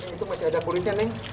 itu masih ada kurirnya nih